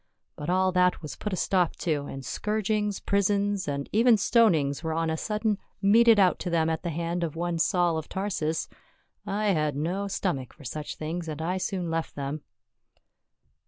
But all that was put a stop to, and scourgings, prisons, and even stonings were on a sudden meted out to them at the hand of one Saul of Tarsus. I had no stomach for such things, and I soon left them."